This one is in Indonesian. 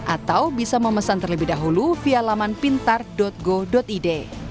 atau bisa memesan terlebih dahulu via laman pintar go id